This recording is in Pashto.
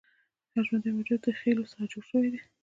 هر ژوندی موجود د خلیو څخه جوړ شوی دی